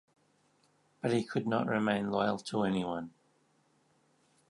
But he could not remain loyal to anyone.